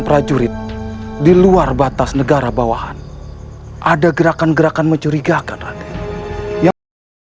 prajurit di luar batas negara bawahan ada gerakan gerakan mencurigakan yang